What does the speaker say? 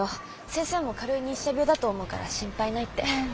先生も軽い日射病だと思うから心配ないって。